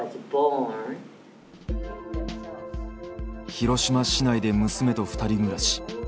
広島市内で娘と２人暮らし。